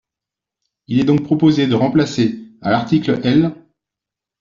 Il est donc proposé de remplacer, à l’article L.